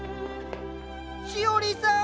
しおりさん！